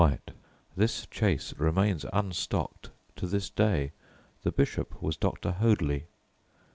This chase remains unstocked to this day; the bishop was Dr. Hoadly.